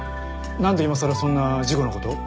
なんで今さらそんな事故の事を？